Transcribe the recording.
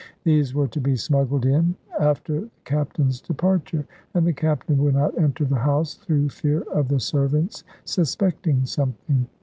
These were to be smuggled in, after the Captain's departure; and the Captain would not enter the house, through fear of the servants suspecting something.